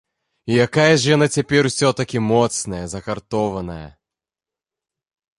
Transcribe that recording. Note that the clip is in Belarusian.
І якая ж яна цяпер усё-такі моцная, загартованая!